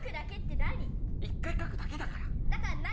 だから何？